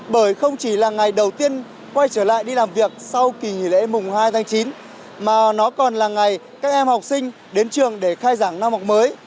bởi không chỉ là ngày đầu tiên quay trở lại đi làm việc sau kỳ nghỉ lễ mùng hai tháng chín mà nó còn là ngày các em học sinh đến trường để khai giảng năm học mới